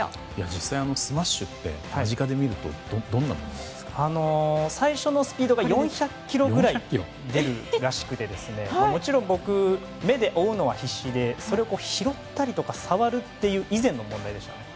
実際にスマッシュって間近で見ると最初のスピードが４００キロくらい出るらしくてもちろん僕も目で追うのが必死でそれを拾ったり触る以前の問題でした。